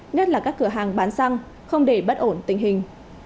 nhất là các cửa hàng bán xăng không để bất ổn tình hình